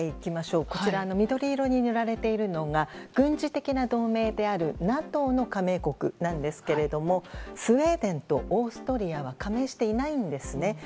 こちら緑色に塗られているのが軍事的な同盟であるＮＡＴＯの加盟国なんですけれどもスウェーデンとオーストリアは加盟していないんですね。